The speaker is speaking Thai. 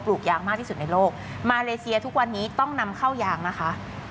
ลูกยางมากที่สุดในโลกมาเลเซียทุกวันนี้ต้องนำเข้ายางนะคะ